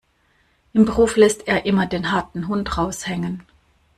Im Beruf lässt er immer den harten Hund raushängen.